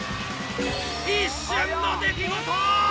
一瞬の出来事！